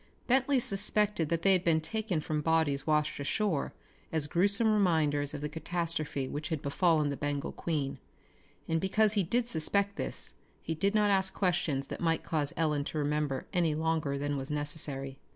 Bentley suspected that they had been taken from bodies washed ashore as gruesome reminders of the catastrophe which had befallen the Bengal Queen, and because he did suspect this he did not ask questions that might cause Ellen to remember any longer than was necessary.